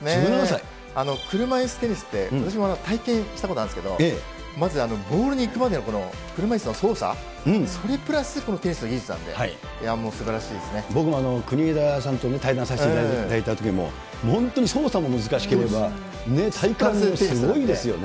車いすテニスって、私も体験したことあるんですけど、まずボールに行くまでの車いすの操作、それプラスこのテニスの技僕も国枝さんとね、対談させていただいたときも、もう本当に操作も難しければ、体幹すごいですよね。